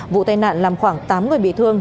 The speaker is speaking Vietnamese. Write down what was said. vụ tai nạn làm khoảng tám người bị thương